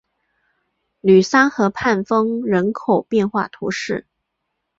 吕桑河畔丰人口变化图示